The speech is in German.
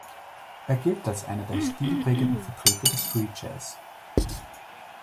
Er gilt als einer der stilprägenden Vertreter des Free Jazz.